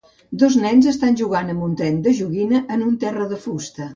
Dos nens estan jugant amb un tren de joguina en un terra de fusta.